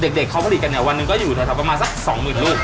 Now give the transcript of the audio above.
แต่เด็กเขาผลิตกันวันนึงก็อยู่ดาร์แท็กประมาณสัก๒หมื่นลูก